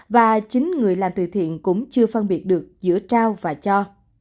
và chính người làm từ thiện cũng chưa phân biệt được giữa trao và cho